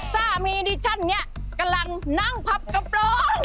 สามีดิฉันเนี่ยกำลังนั่งพับกระโปรง